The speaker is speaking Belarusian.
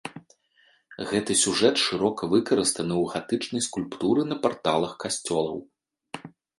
Гэты сюжэт шырока выкарыстаны ў гатычнай скульптуры на парталах касцёлаў.